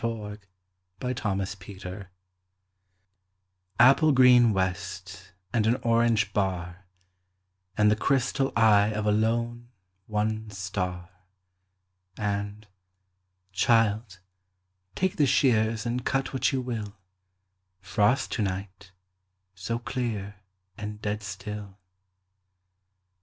Edith M. Thomas "Frost To Night" APPLE GREEN west and an orange bar, And the crystal eye of a lone, one star …And, "Child, take the shears and cut what you will, Frost to night—so clear and dead still."